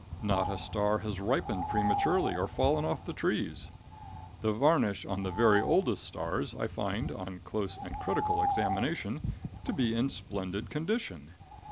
Not a star has ripened prematurely or fallen off the trees. The varnish on the very oldest stars I find on close and critical examination to be in splendid condition.